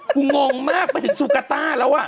คุณงงมากไปถึงซูกาต้าแล้ว